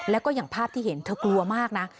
แล้วก็อย่างภาพที่เห็นเธอกลัวมากนะ